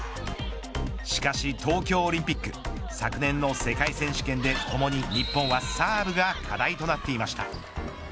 しかし、東京オリンピック昨年の世界選手権でともに日本はサーブが課題となっていました。